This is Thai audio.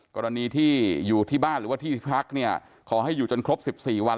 กรณีที่อยู่ที่บ้านหรือว่าที่ที่พักเนี่ยขอให้อยู่จนครบ๑๔วัน